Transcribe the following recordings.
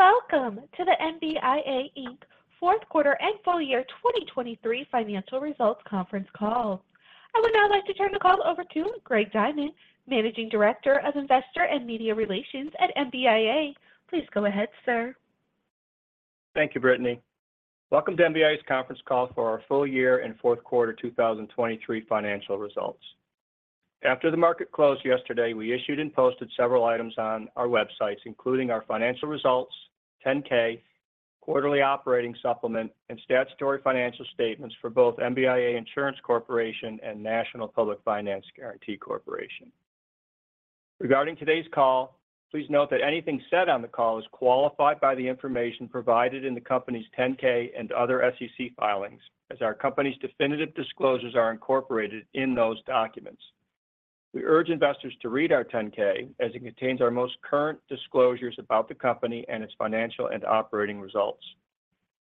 Welcome to the MBIA Inc. Fourth Quarter and Full Year 2023 Financial Results Conference Call. I would now like to turn the call over to Greg Diamond, Managing Director of Investor and Media Relations at MBIA. Please go ahead, sir. Thank you, Brittany. Welcome to MBIA's conference call for our full year and fourth quarter 2023 financial results. After the market closed yesterday, we issued and posted several items on our websites, including our financial results, 10-K, quarterly operating supplement, and statutory financial statements for both MBIA Insurance Corporation and National Public Finance Guarantee Corporation. Regarding today's call, please note that anything said on the call is qualified by the information provided in the company's 10-K and other SEC filings, as our company's definitive disclosures are incorporated in those documents. We urge investors to read our 10-K as it contains our most current disclosures about the company and its financial and operating results.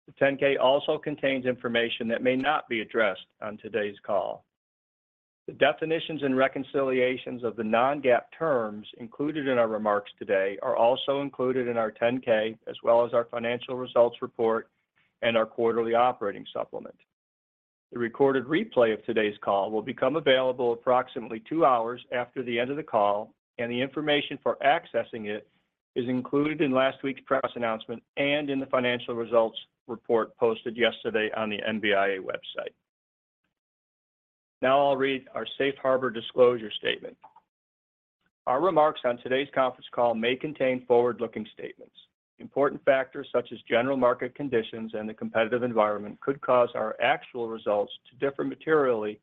The 10-K also contains information that may not be addressed on today's call. The definitions and reconciliations of the non-GAAP terms included in our remarks today are also included in our 10-K as well as our financial results report and our quarterly operating supplement. The recorded replay of today's call will become available approximately two hours after the end of the call, and the information for accessing it is included in last week's press announcement and in the financial results report posted yesterday on the MBIA website. Now I'll read our Safe Harbor disclosure statement. Our remarks on today's conference call may contain forward-looking statements. Important factors such as general market conditions and the competitive environment could cause our actual results to differ materially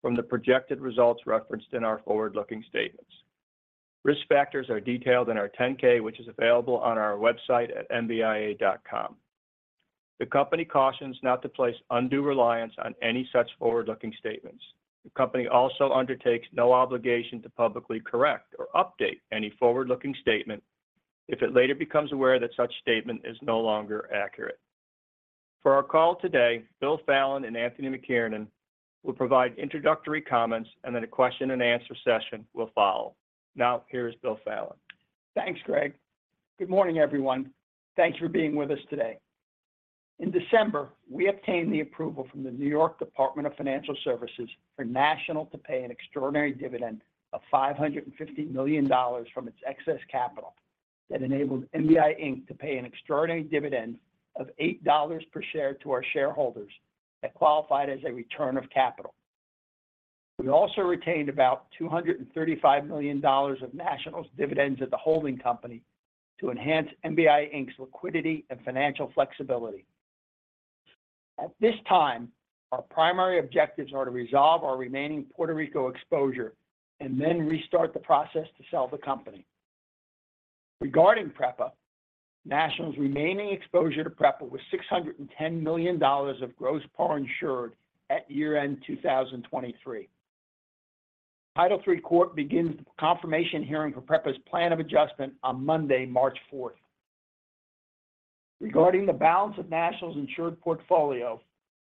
from the projected results referenced in our forward-looking statements. Risk factors are detailed in our 10-K, which is available on our website at mbia.com. The company cautions not to place undue reliance on any such forward-looking statements. The company also undertakes no obligation to publicly correct or update any forward-looking statement if it later becomes aware that such statement is no longer accurate. For our call today, Bill Fallon and Anthony McKiernan will provide introductory comments, and then a question-and-answer session will follow. Now here is Bill Fallon. Thanks, Greg. Good morning, everyone. Thanks for being with us today. In December, we obtained the approval from the New York Department of Financial Services for National to pay an extraordinary dividend of $550 million from its excess capital that enabled MBIA Inc. to pay an extraordinary dividend of $8 per share to our shareholders that qualified as a return of capital. We also retained about $235 million of National's dividends at the holding company to enhance MBIA Inc.'s liquidity and financial flexibility. At this time, our primary objectives are to resolve our remaining Puerto Rico exposure and then restart the process to sell the company. Regarding PREPA, National's remaining exposure to PREPA was $610 million of gross par insured at year-end 2023. Title III Court begins the confirmation hearing for PREPA's Plan of Adjustment on Monday, March 4th. Regarding the balance of National's insured portfolio,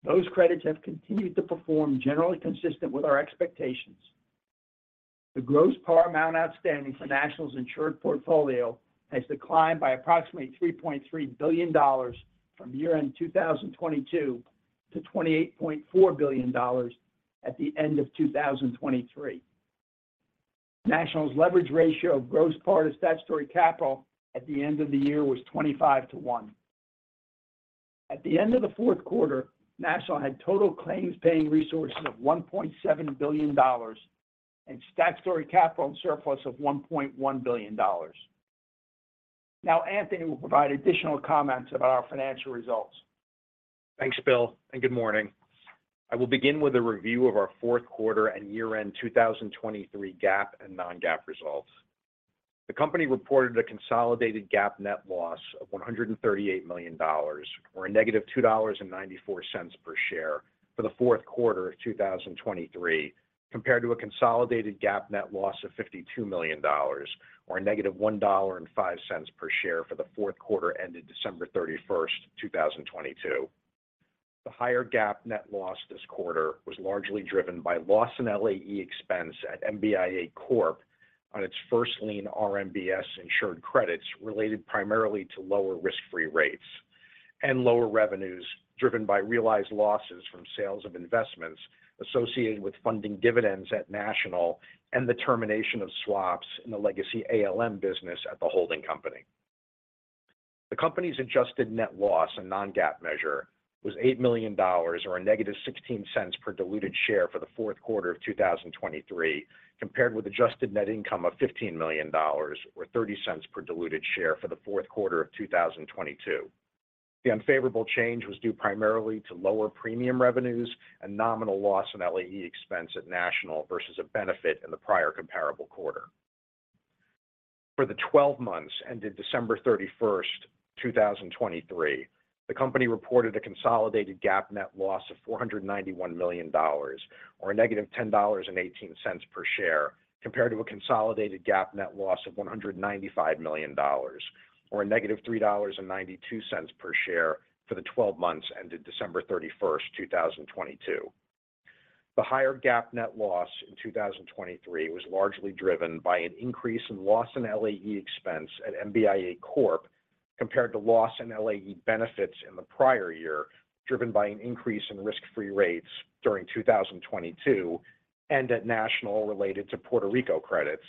those credits have continued to perform generally consistent with our expectations. The gross par amount outstanding for National's insured portfolio has declined by approximately $3.3 billion from year-end 2022 to $28.4 billion at the end of 2023. National's leverage ratio of gross par to statutory capital at the end of the year was 25:1. At the end of the fourth quarter, National had total claims-paying resources of $1.7 billion and statutory capital and surplus of $1.1 billion. Now Anthony will provide additional comments about our financial results. Thanks, Bill, and good morning. I will begin with a review of our fourth quarter and year-end 2023 GAAP and non-GAAP results. The company reported a consolidated GAAP net loss of $138 million or a -$2.94 per share for the fourth quarter of 2023 compared to a consolidated GAAP net loss of $52 million or a -$1.05 per share for the fourth quarter ended December 31st, 2022. The higher GAAP net loss this quarter was largely driven by loss and LAE expense at MBIA Corp on its First Lien RMBS insured credits related primarily to lower risk-free rates and lower revenues driven by realized losses from sales of investments associated with funding dividends at National and the termination of swaps in the legacy ALM business at the holding company. The company's adjusted net loss and non-GAAP measure was $8 million or a -$0.16 per diluted share for the fourth quarter of 2023 compared with adjusted net income of $15 million or $0.30 per diluted share for the fourth quarter of 2022. The unfavorable change was due primarily to lower premium revenues and nominal loss and LAE expense at National versus a benefit in the prior comparable quarter. For the 12 months ended December 31st, 2023, the company reported a consolidated GAAP net loss of $491 million or a -$10.18 per share compared to a consolidated GAAP net loss of $195 million or a -$3.92 per share for the 12 months ended December 31st, 2022. The higher GAAP net loss in 2023 was largely driven by an increase in loss and LAE expense at MBIA Corp compared to loss and LAE benefits in the prior year driven by an increase in risk-free rates during 2022 and at National related to Puerto Rico credits,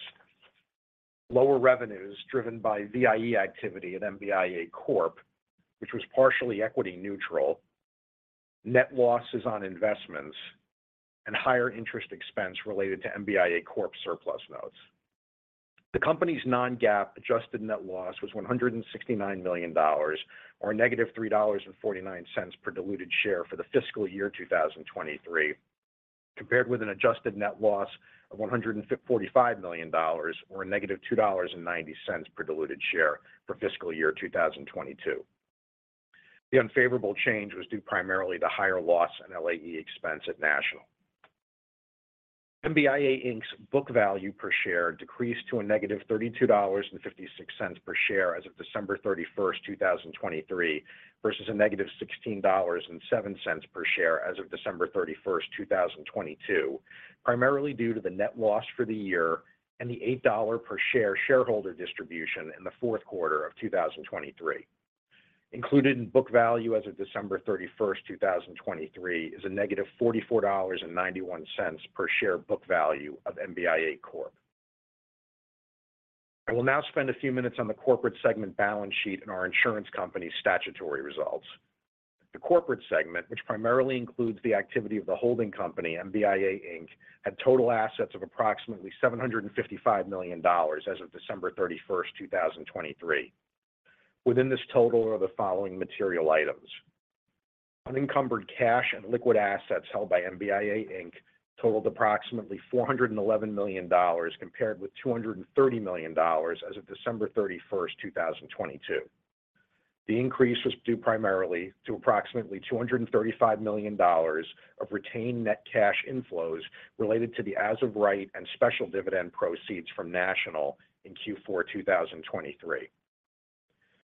lower revenues driven by VIE activity at MBIA Corp, which was partially equity neutral, net losses on investments, and higher interest expense related to MBIA Corp surplus notes. The company's non-GAAP adjusted net loss was $169 million or a -$3.49 per diluted share for the fiscal year 2023 compared with an adjusted net loss of $145 million or a -$2.90 per diluted share for fiscal year 2022. The unfavorable change was due primarily to higher loss and LAE expense at National. MBIA Inc.'s book value per share decreased to a -$32.56 per share as of December 31st, 2023 versus a -$16.07 per share as of December 31st, 2022, primarily due to the net loss for the year and the $8 per share shareholder distribution in the fourth quarter of 2023. Included in book value as of December 31st, 2023 is a -$44.91 per share book value of MBIA Corp. I will now spend a few minutes on the corporate segment balance sheet and our insurance company's statutory results. The corporate segment, which primarily includes the activity of the holding company, MBIA Inc., had total assets of approximately $755 million as of December 31st, 2023. Within this total are the following material items. Unencumbered cash and liquid assets held by MBIA Inc. totaled approximately $411 million compared with $230 million as of December 31st, 2022. The increase was due primarily to approximately $235 million of retained net cash inflows related to the as-of-right and special dividend proceeds from National in Q4 2023.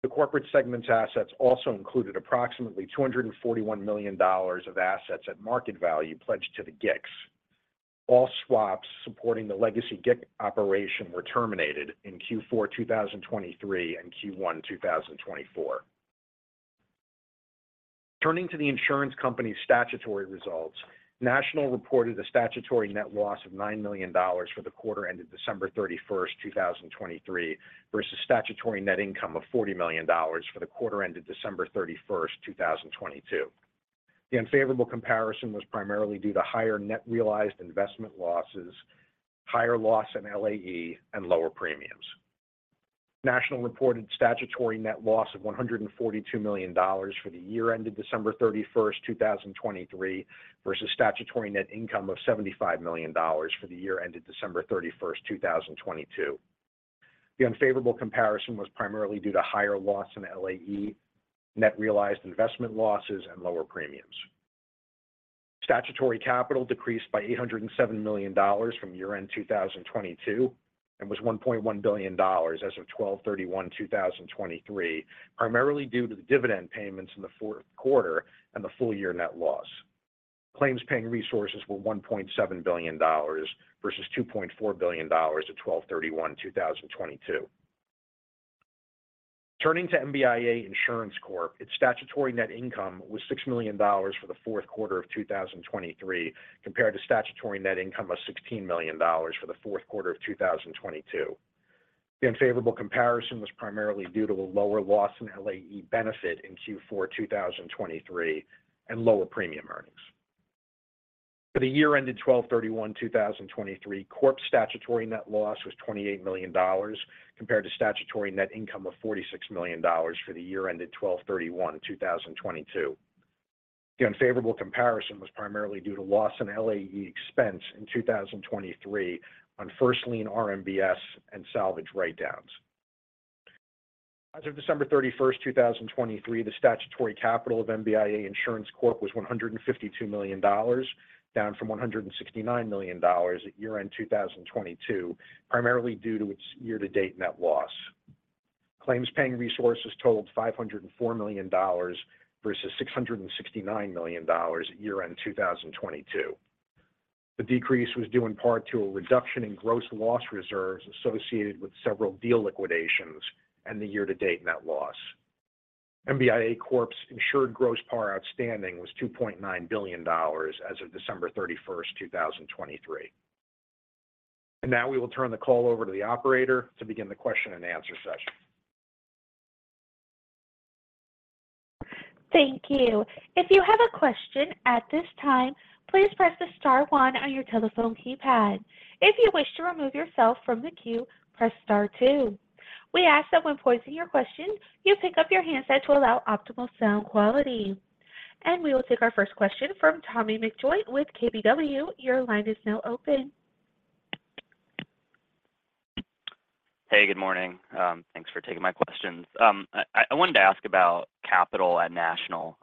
The corporate segment's assets also included approximately $241 million of assets at market value pledged to the GICs. All swaps supporting the legacy GIC operation were terminated in Q4 2023 and Q1 2024. Turning to the insurance company's statutory results, National reported a statutory net loss of $9 million for the quarter ended December 31st, 2023 versus statutory net income of $40 million for the quarter ended December 31st, 2022. The unfavorable comparison was primarily due to higher net realized investment losses, higher loss and LAE, and lower premiums. National reported statutory net loss of $142 million for the year ended December 31st, 2023 versus statutory net income of $75 million for the year ended December 31st, 2022. The unfavorable comparison was primarily due to higher loss and LAE, net realized investment losses, and lower premiums. Statutory capital decreased by $807 million from year-end 2022 and was $1.1 billion as of 12/31/2023, primarily due to the dividend payments in the fourth quarter and the full year net loss. Claims-paying resources were $1.7 billion versus $2.4 billion at 12/31/2022. Turning to MBIA Insurance Corp, its statutory net income was $6 million for the fourth quarter of 2023 compared to statutory net income of $16 million for the fourth quarter of 2022. The unfavorable comparison was primarily due to a lower loss and LAE benefit in Q4 2023 and lower premium earnings. For the year ended 12/31/2023, Corp statutory net loss was $28 million compared to statutory net income of $46 million for the year ended 12/31/2022. The unfavorable comparison was primarily due to loss and LAE expense in 2023 on first-lien RMBS and salvage write-downs. As of December 31st, 2023, the statutory capital of MBIA Insurance Corp. was $152 million, down from $169 million at year-end 2022, primarily due to its year-to-date net loss. Claims-paying resources totaled $504 million versus $669 million at year-end 2022. The decrease was due in part to a reduction in gross loss reserves associated with several deal liquidations and the year-to-date net loss. MBIA Corp.'s insured gross par outstanding was $2.9 billion as of December 31st, 2023. Now we will turn the call over to the operator to begin the question-and-answer session. Thank you. If you have a question at this time, please press the star one on your telephone keypad. If you wish to remove yourself from the queue, press star two. We ask that when voicing your question, you pick up your handset to allow optimal sound quality. We will take our first question from Tommy McJoynt with KBW. Your line is now open. Hey, good morning. Thanks for taking my questions. I wanted to ask about capital at National.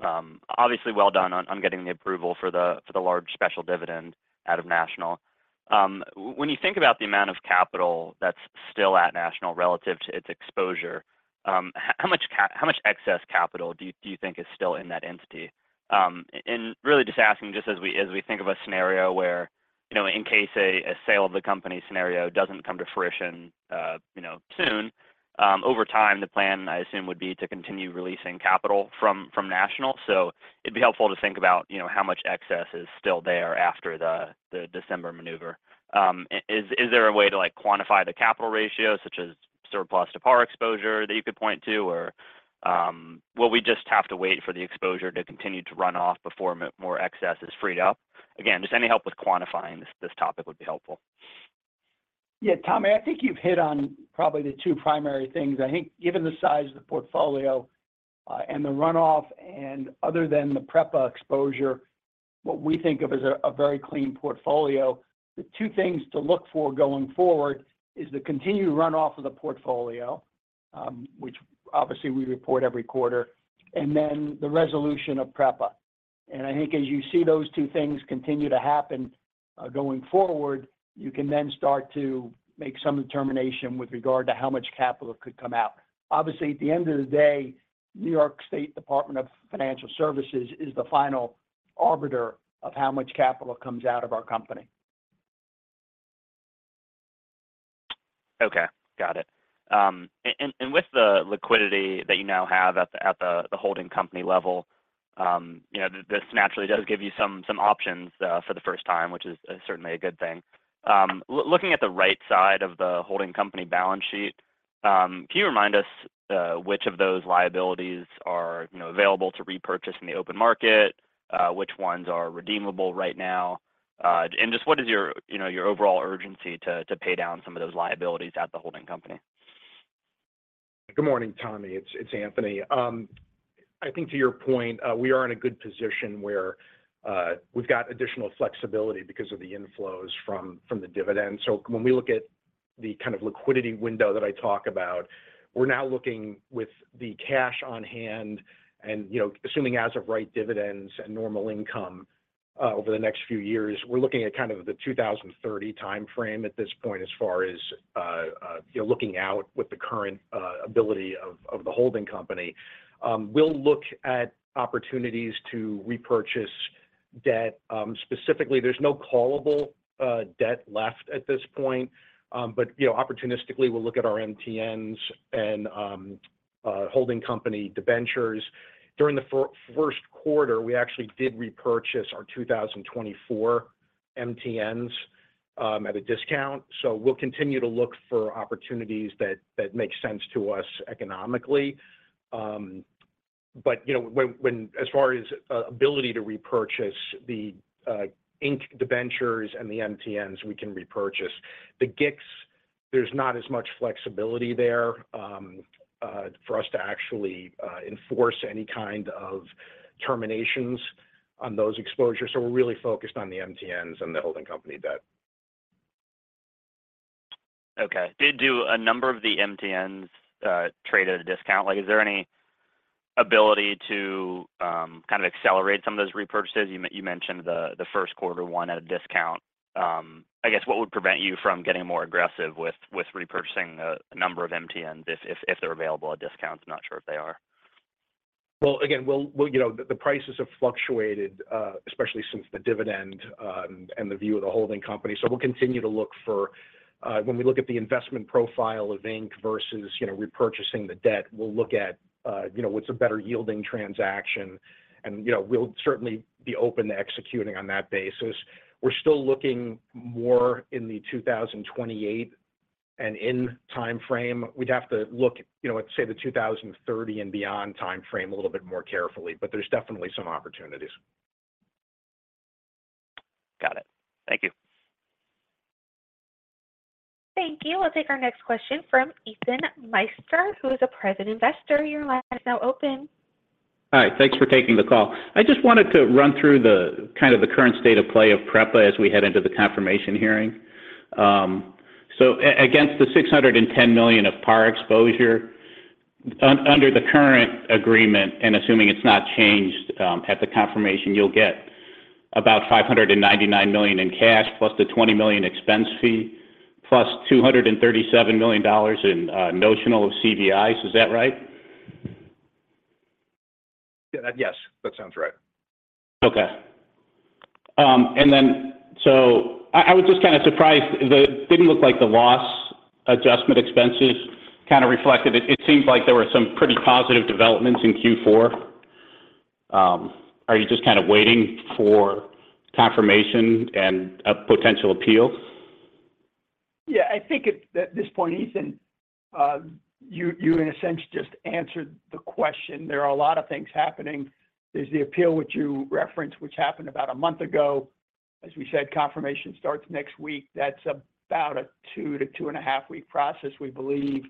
Obviously, well done on getting the approval for the large special dividend out of National. When you think about the amount of capital that's still at National relative to its exposure, how much excess capital do you think is still in that entity? And really just asking just as we think of a scenario where in case a sale of the company scenario doesn't come to fruition soon, over time, the plan, I assume, would be to continue releasing capital from National. So it'd be helpful to think about how much excess is still there after the December maneuver. Is there a way to quantify the capital ratio such as surplus to par exposure that you could point to, or will we just have to wait for the exposure to continue to run off before more excess is freed up? Again, just any help with quantifying this topic would be helpful. Yeah, Tommy, I think you've hit on probably the two primary things. I think given the size of the portfolio and the runoff and other than the PREPA exposure, what we think of as a very clean portfolio, the two things to look for going forward is the continued runoff of the portfolio, which obviously we report every quarter, and then the resolution of PREPA. I think as you see those two things continue to happen going forward, you can then start to make some determination with regard to how much capital could come out. Obviously, at the end of the day, New York State Department of Financial Services is the final arbiter of how much capital comes out of our company. Okay, got it. With the liquidity that you now have at the holding company level, this naturally does give you some options for the first time, which is certainly a good thing. Looking at the right side of the holding company balance sheet, can you remind us which of those liabilities are available to repurchase in the open market, which ones are redeemable right now, and just what is your overall urgency to pay down some of those liabilities at the holding company? Good morning, Tommy. It's Anthony. I think to your point, we are in a good position where we've got additional flexibility because of the inflows from the dividends. So when we look at the kind of liquidity window that I talk about, we're now looking with the cash on hand and assuming as-of-right dividends and normal income over the next few years, we're looking at kind of the 2030 time frame at this point as far as looking out with the current ability of the holding company. We'll look at opportunities to repurchase debt. Specifically, there's no callable debt left at this point. But opportunistically, we'll look at our MTNs and holding company debentures. During the first quarter, we actually did repurchase our 2024 MTNs at a discount. So we'll continue to look for opportunities that make sense to us economically. But as far as ability to repurchase the Inc. debentures and the MTNs, we can repurchase. The GICs, there's not as much flexibility there for us to actually enforce any kind of terminations on those exposures. So we're really focused on the MTNs and the holding company debt. Okay. Did a number of the MTNs trade at a discount? Is there any ability to kind of accelerate some of those repurchases? You mentioned the first quarter one at a discount. I guess what would prevent you from getting more aggressive with repurchasing a number of MTNs if they're available at discounts? I'm not sure if they are. Well, again, the prices have fluctuated, especially since the dividend and the view of the holding company. So we'll continue to look for, when we look at the investment profile of Inc. versus repurchasing the debt, we'll look at what's a better yielding transaction. And we'll certainly be open to executing on that basis. We're still looking more in the 2028 and in time frame. We'd have to look at, say, the 2030 and beyond time frame a little bit more carefully. But there's definitely some opportunities. Got it. Thank you. Thank you. We'll take our next question from Ethan Meister, who is a private investor. Your line is now open. Hi. Thanks for taking the call. I just wanted to run through kind of the current state of play of PREPA as we head into the confirmation hearing. So against the $610 million of par exposure, under the current agreement, and assuming it's not changed at the confirmation, you'll get about $599 million in cash plus the $20 million expense fee plus $237 million in notional of CVIs. Is that right? Yes, that sounds right. Okay. I was just kind of surprised. It didn't look like the loss adjustment expenses kind of reflected. It seems like there were some pretty positive developments in Q4. Are you just kind of waiting for confirmation and a potential appeal? Yeah. I think at this point, Ethan, you in a sense just answered the question. There are a lot of things happening. There's the appeal which you referenced, which happened about a month ago. As we said, confirmation starts next week. That's about a 2-2.5-week process, we believe.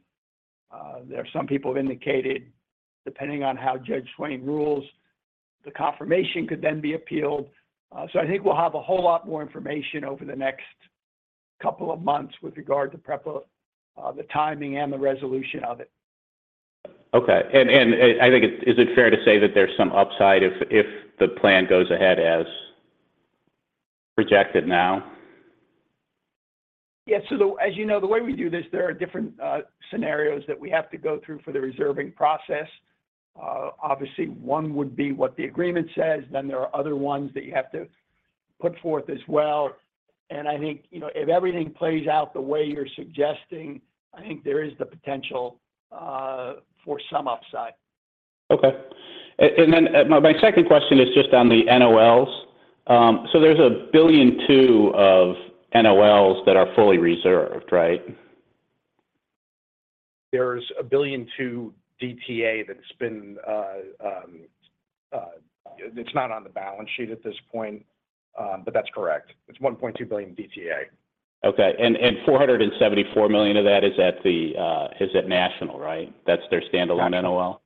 There are some people who indicated, depending on how Judge Swain rules, the confirmation could then be appealed. So I think we'll have a whole lot more information over the next couple of months with regard to PREPA, the timing, and the resolution of it. Okay. And I think is it fair to say that there's some upside if the plan goes ahead as projected now? Yeah. So as you know, the way we do this, there are different scenarios that we have to go through for the reserving process. Obviously, one would be what the agreement says. Then there are other ones that you have to put forth as well. And I think if everything plays out the way you're suggesting, I think there is the potential for some upside. Okay. And then my second question is just on the NOLs. So there's $1.2 billion of NOLs that are fully reserved, right? There's $1.2 billion DTA that's not on the balance sheet at this point, but that's correct. It's $1.2 billion DTA. Okay. $474 million of that, is that National, right? That's their standalone NOL?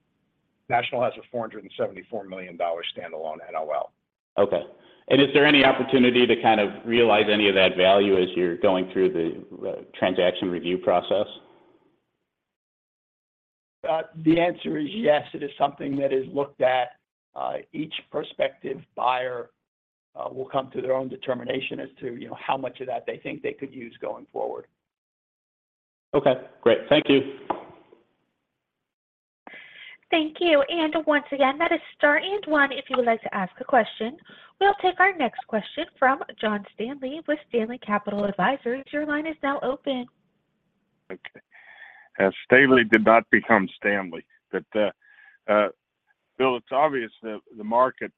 National has a $474 million standalone NOL. Okay. And is there any opportunity to kind of realize any of that value as you're going through the transaction review process? The answer is yes. It is something that is looked at. Each prospective buyer will come to their own determination as to how much of that they think they could use going forward. Okay. Great. Thank you. Thank you. Once again, that is star one if you would like to ask a question. We'll take our next question from John Staley with Staley Capital Advisers. Your line is now open. Okay. As Staley did not become Stanley. But Bill, it's obvious that the market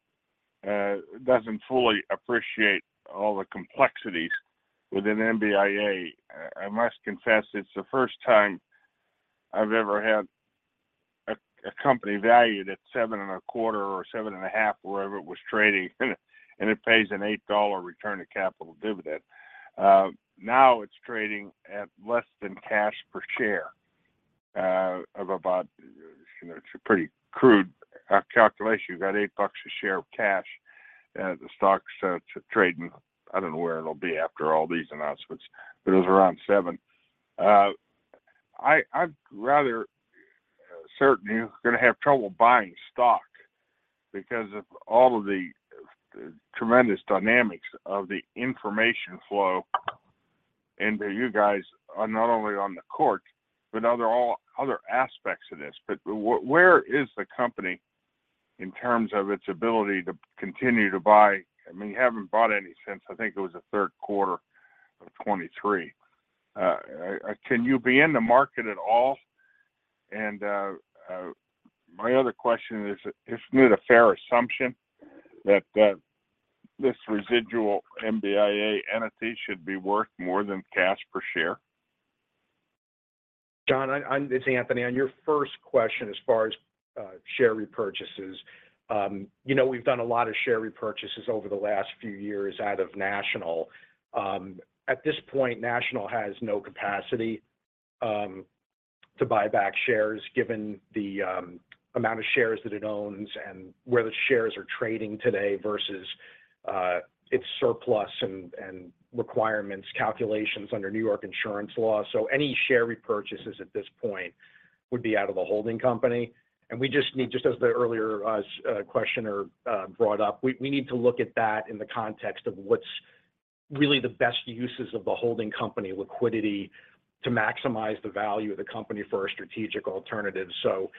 doesn't fully appreciate all the complexities within MBIA. I must confess, it's the first time I've ever had a company valued at $7.25 or $7.5, wherever it was trading, and it pays an $8 return to capital dividend. Now it's trading at less than cash per share of about. It's a pretty crude calculation. You've got $8 a share of cash. The stock's trading. I don't know where it'll be after all these announcements, but it was around $7. I'm rather certain you're going to have trouble buying stock because of all of the tremendous dynamics of the information flow into you guys not only on the court, but other aspects of this. But where is the company in terms of its ability to continue to buy? I mean, you haven't bought any since. I think it was the third quarter of 2023. Can you be in the market at all? And my other question is, isn't it a fair assumption that this residual MBIA entity should be worth more than cash per share? John, this is Anthony. On your first question as far as share repurchases, we've done a lot of share repurchases over the last few years out of National. At this point, National has no capacity to buy back shares given the amount of shares that it owns and where the shares are trading today versus its surplus and requirements calculations under New York insurance law. So any share repurchases at this point would be out of the holding company. And we just need just as the earlier questioner brought up, we need to look at that in the context of what's really the best uses of the holding company liquidity to maximize the value of the company for a strategic alternative. So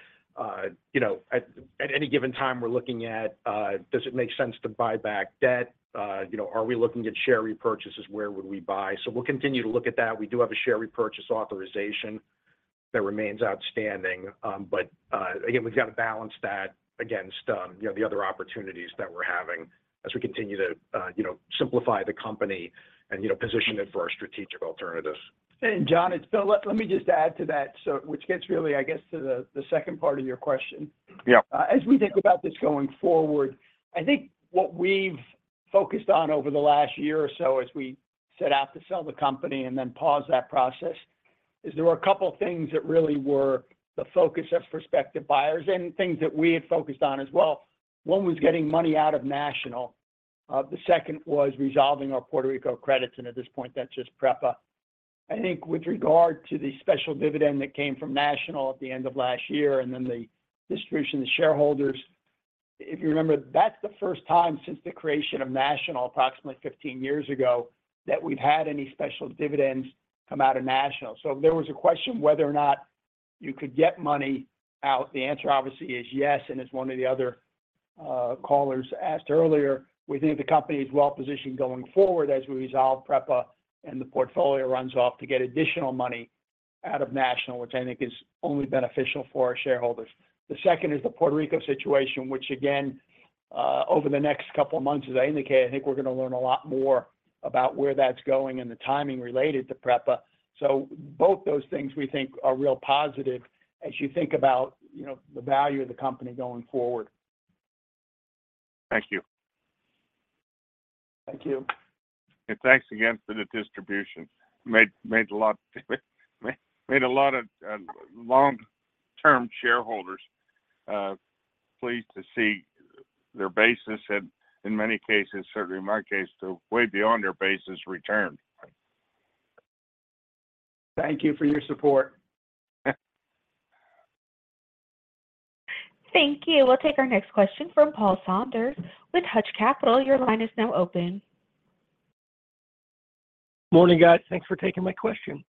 at any given time, we're looking at, does it make sense to buy back debt? Are we looking at share repurchases? Where would we buy? We'll continue to look at that. We do have a share repurchase authorization that remains outstanding. But again, we've got to balance that against the other opportunities that we're having as we continue to simplify the company and position it for our strategic alternatives. John, Bill, let me just add to that, which gets really, I guess, to the second part of your question. As we think about this going forward, I think what we've focused on over the last year or so as we set out to sell the company and then pause that process is there were a couple of things that really were the focus as prospective buyers and things that we had focused on as well. One was getting money out of National. The second was resolving our Puerto Rico credits. And at this point, that's just PREPA. I think with regard to the special dividend that came from National at the end of last year and then the distribution to shareholders, if you remember, that's the first time since the creation of National approximately 15 years ago that we've had any special dividends come out of National. So if there was a question whether or not you could get money out, the answer obviously is yes. And as one of the other callers asked earlier, we think the company is well positioned going forward as we resolve PREPA and the portfolio runs off to get additional money out of National, which I think is only beneficial for our shareholders. The second is the Puerto Rico situation, which again, over the next couple of months, as I indicate, I think we're going to learn a lot more about where that's going and the timing related to PREPA. So both those things, we think, are real positive as you think about the value of the company going forward. Thank you. Thank you. Thanks again for the distribution. Made a lot of long-term shareholders pleased to see their basis and in many cases, certainly in my case, to way beyond their basis returned. Thank you for your support. Thank you. We'll take our next question from Paul Saunders with Hutch Capital. Your line is now open. Morning, guys. Thanks for taking my question.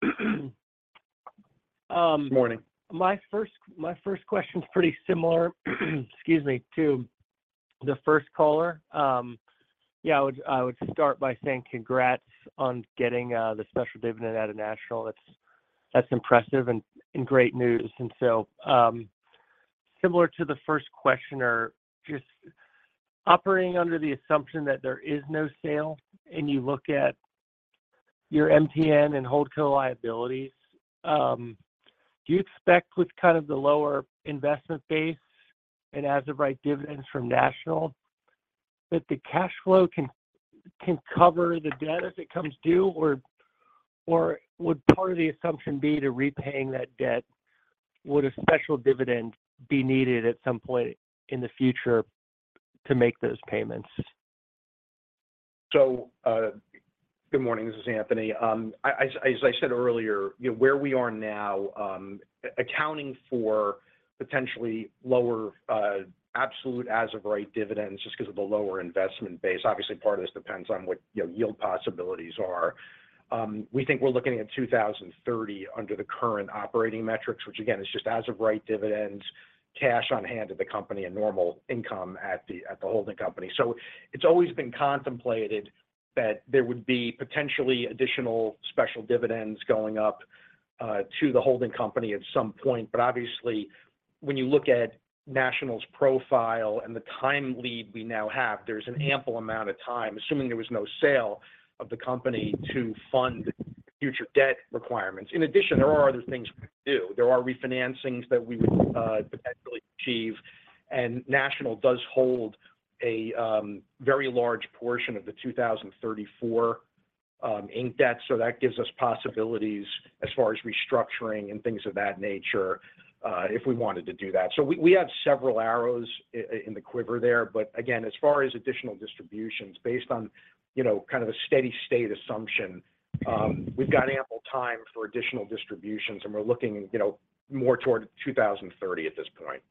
Morning. My first question's pretty similar, excuse me, to the first caller. Yeah, I would start by saying congrats on getting the special dividend out of National. That's impressive and great news. And so similar to the first questioner, just operating under the assumption that there is no sale and you look at your MTN and holdco liabilities, do you expect with kind of the lower investment base and as-of-right dividends from National that the cash flow can cover the debt as it comes due? Or would part of the assumption be to repaying that debt, would a special dividend be needed at some point in the future to make those payments? Good morning. This is Anthony. As I said earlier, where we are now accounting for potentially lower absolute as-of-right dividends just because of the lower investment base. Obviously, part of this depends on what yield possibilities are. We think we're looking at 2030 under the current operating metrics, which again, is just as-of-right dividends, cash on hand at the company, and normal income at the holding company. So it's always been contemplated that there would be potentially additional special dividends going up to the holding company at some point. But obviously, when you look at National's profile and the time lead we now have, there's an ample amount of time, assuming there was no sale, of the company to fund future debt requirements. In addition, there are other things we do. There are refinancings that we would potentially achieve. National does hold a very large portion of the 2034 Inc. debt. So that gives us possibilities as far as restructuring and things of that nature if we wanted to do that. So we have several arrows in the quiver there. But again, as far as additional distributions, based on kind of a steady-state assumption, we've got ample time for additional distributions. And we're looking more toward 2030 at this point.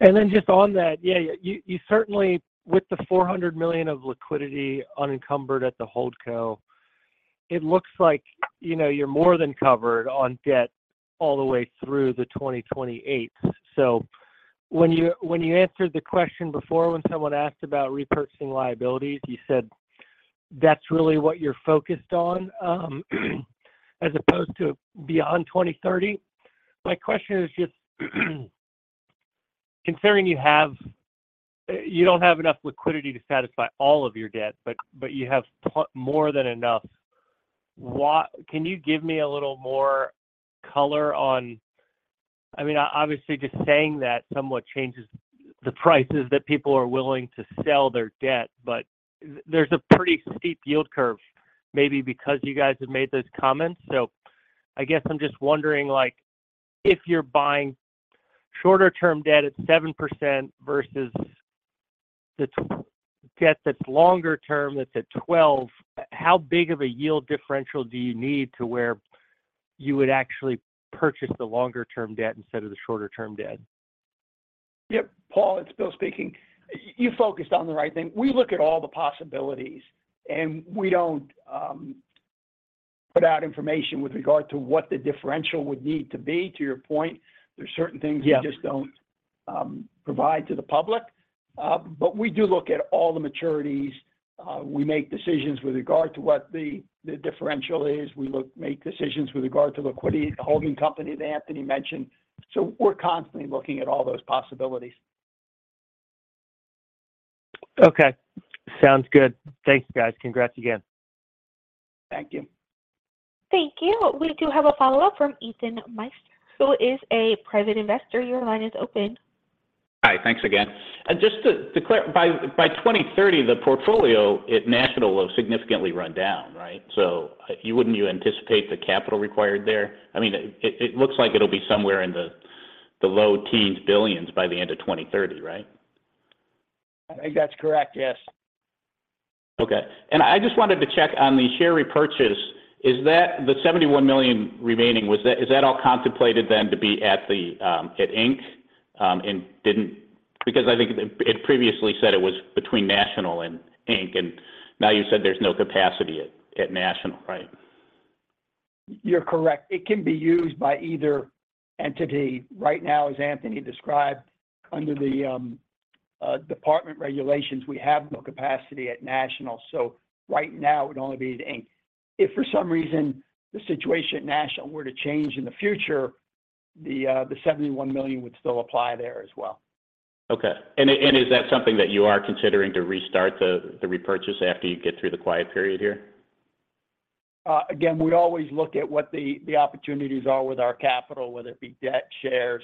And then, just on that, yeah, you certainly with the $400 million of liquidity unencumbered at the holdco, it looks like you're more than covered on debt all the way through the 2028s. So when you answered the question before when someone asked about repurchasing liabilities, you said that's really what you're focused on as opposed to beyond 2030. My question is just considering you don't have enough liquidity to satisfy all of your debt, but you have more than enough; can you give me a little more color on—I mean, obviously, just saying that somewhat changes the prices that people are willing to sell their debt. But there's a pretty steep yield curve maybe because you guys have made those comments. I guess I'm just wondering if you're buying shorter-term debt at 7% versus the debt that's longer-term that's at 12%, how big of a yield differential do you need to where you would actually purchase the longer-term debt instead of the shorter-term debt? Yep. Paul, it's Bill speaking. You focused on the right thing. We look at all the possibilities. We don't put out information with regard to what the differential would need to be. To your point, there's certain things we just don't provide to the public. We do look at all the maturities. We make decisions with regard to what the differential is. We make decisions with regard to liquidity, the holding company that Anthony mentioned. We're constantly looking at all those possibilities. Okay. Sounds good. Thanks, guys. Congrats again. Thank you. Thank you. We do have a follow-up from Ethan Meister, who is a private investor. Your line is open. Hi. Thanks again. Just to clarify, by 2030, the portfolio at National will significantly run down, right? Wouldn't you anticipate the capital required there? I mean, it looks like it'll be somewhere in the low teens billions by the end of 2030, right? I think that's correct. Yes. Okay. And I just wanted to check on the share repurchase. The $71 million remaining, is that all contemplated then to be at Inc.? Because I think it previously said it was between National and Inc. And now you said there's no capacity at National, right? You're correct. It can be used by either entity. Right now, as Anthony described, under the department regulations, we have no capacity at National. So right now, it would only be at Inc. If for some reason the situation at National were to change in the future, the $71 million would still apply there as well. Okay. And is that something that you are considering to restart the repurchase after you get through the quiet period here? Again, we always look at what the opportunities are with our capital, whether it be debt, shares,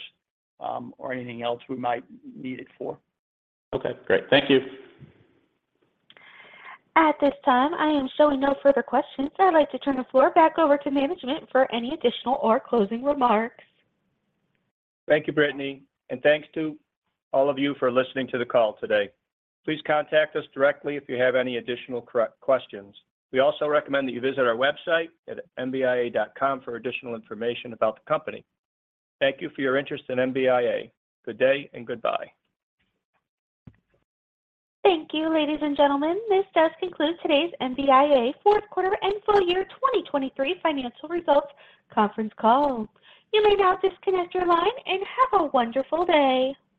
or anything else we might need it for. Okay. Great. Thank you. At this time, I am showing no further questions. I'd like to turn the floor back over to management for any additional or closing remarks. Thank you, Brittany. Thanks to all of you for listening to the call today. Please contact us directly if you have any additional questions. We also recommend that you visit our website at mbia.com for additional information about the company. Thank you for your interest in MBIA. Good day and goodbye. Thank you, ladies and gentlemen. This does conclude today's MBIA fourth quarter and full year 2023 financial results conference call. You may now disconnect your line and have a wonderful day.